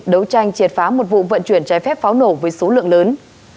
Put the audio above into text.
đấu tranh triệt phá một vụ vận chuyển trái phép pháo nổ với số lượng lớn